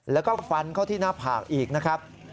แล้วก็ฟันเข้าที่หน้าผากอีกนะครับ